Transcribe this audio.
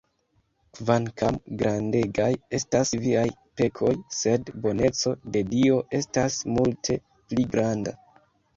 Kvankam grandegaj estas viaj pekoj, sed boneco de Dio estas multe pli granda!